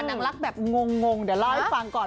นางรักแบบงงเดี๋ยวเล่าให้ฟังก่อน